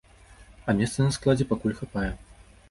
А месца на складзе пакуль хапае.